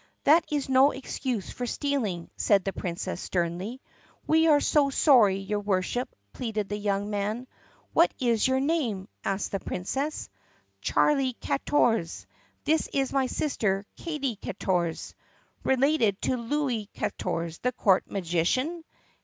"That is no excuse for stealing!" said the Princess sternly. "We are so sorry, your Worship!" pleaded the young man. "What is your name?" asked the Princess. "Charlie Katorze. This is my sister, Katie Katorze." "Related to Louis Katorze, the court magician?"